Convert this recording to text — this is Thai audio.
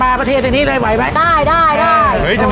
ปลาภรรษาธิริพรสัยนี้ไหลไหม